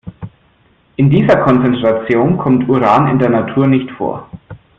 In dieser Konzentration kommt Uran in der Natur nicht vor.